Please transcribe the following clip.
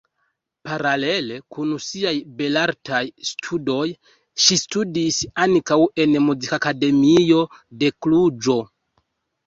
Paralele kun siaj belartaj studoj ŝi studis ankaŭ en muzikakademio de Kluĵo.